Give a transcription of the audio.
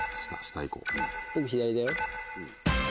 僕左だよ。